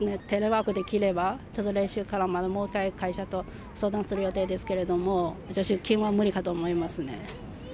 テレワークできれば、その練習からもう一回、会社と相談する予定ですけれども、出勤は無理かと思いますね。